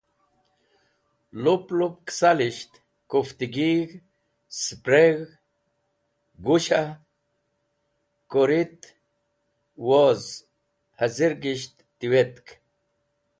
Lup lup kẽsalisht, kuftgig̃h, sẽpreg̃h, gusha, kũrit woz hazirgisht tiwetk.